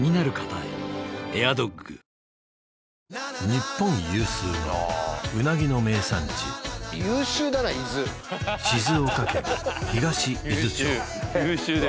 日本有数のうなぎの名産地優秀だな伊豆静岡県・東伊豆町優秀優秀です